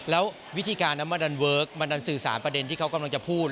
แล้ววิธีการนั้นมาดันเวิร์คมันดันสื่อสารประเด็นที่เขากำลังจะพูด